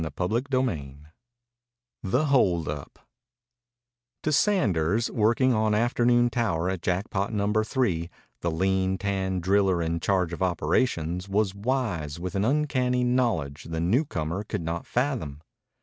CHAPTER XXI THE HOLD UP To Sanders, working on afternoon tower at Jackpot Number Three, the lean, tanned driller in charge of operations was wise with an uncanny knowledge the newcomer could not fathom.